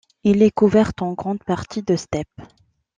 Il est couverte en grande partie de steppe.